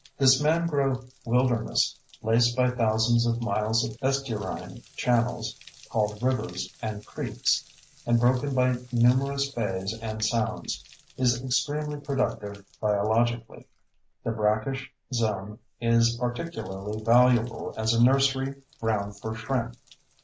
This mangrove wilderness, laced by thousands of miles of estuarine channels (called "rivers" and "creeks") and broken by numerous bays and sounds, is extremely productive biologically. The brackish zone is particularly valuable as a nursery ground for shrimp.